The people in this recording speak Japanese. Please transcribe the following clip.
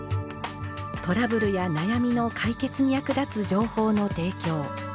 トラブルや悩みの解決に役立つ情報の提供